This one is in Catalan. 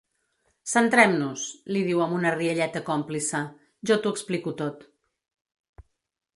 Centrem-nos! —li diu amb una rialleta còmplice— Jo t'ho explico tot,